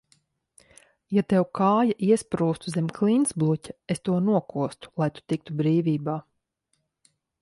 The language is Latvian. Ja tev kāja iesprūstu zem klintsbluķa, es to nokostu, lai tu tiktu brīvībā.